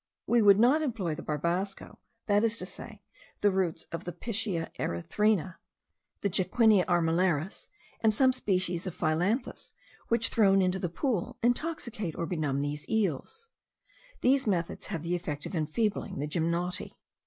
We would not employ the barbasco, that is to say, the roots of the Piscidea erithyrna, the Jacquinia armillaris, and some species of phyllanthus, which thrown into the pool, intoxicate or benumb the eels. These methods have the effect of enfeebling the gymnoti.